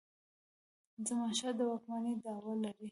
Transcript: د زمانشاه د واکمنی دعوه لري.